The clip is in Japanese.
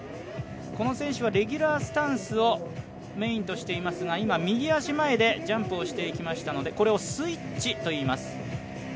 この選手はレギュラースタンスをメインとしていますが今、右足前でジャンプをしていきましたのでこれをスイッチといいます。